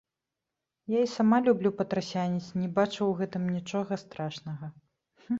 Я і сама люблю патрасяніць, не бачу ў гэтым нічога страшнага.